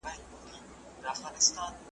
که کتل یې له کلا خلک راوزي .